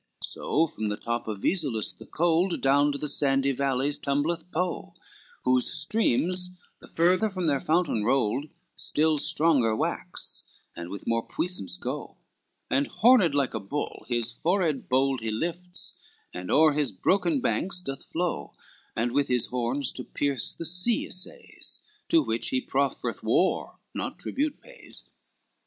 XLVI So from the top of Vesulus the cold, Down to the sandy valleys, tumbleth Po, Whose streams the further from the fountain rolled Still stronger wax, and with more puissance go; And horned like a bull his forehead bold He lifts, and o'er his broken banks doth flow, And with his horns to pierce the sea assays, To which he proffereth war, not tribute pays.